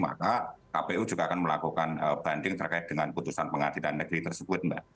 maka kpu juga akan melakukan banding terkait dengan putusan pengadilan negeri tersebut mbak